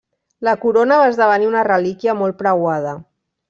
La corona va esdevenir una relíquia molt preuada.